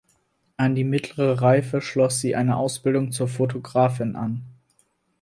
An die Mittlere Reife schloss sie eine Ausbildung zur Fotografin an.